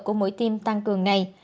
của mũi tiêm tăng cường này